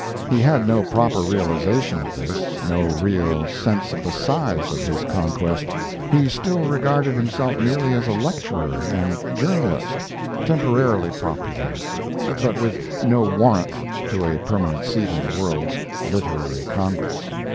He had no proper realization of this, no real sense of the size of his conquest; he still regarded himself merely as a lecturer and journalist, temporarily popular, but with no warrant to a permanent seat in the world's literary congress.